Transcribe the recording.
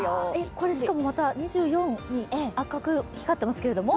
これ、しかもまた、２４に赤く光っていますけれども？